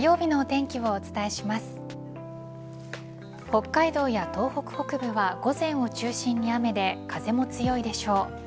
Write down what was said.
北海道や東北北部は午前を中心に雨で風も強いでしょう。